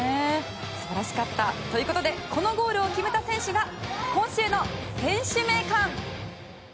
素晴らしかった。ということでこのゴールを決めた選手が今週の選手名鑑。